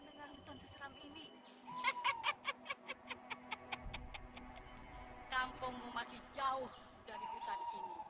ibu nggak mau ke jalan kiki